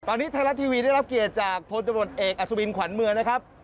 ตอนนี้ไทยรัฐทีวีได้รับเกียรติจากพลตำรวจเอกอสุวินขวัญเมืองนะครับ